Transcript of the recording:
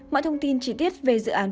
mọi thông tin trí tiết về dự án